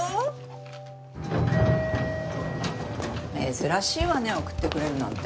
珍しいわね送ってくれるなんて。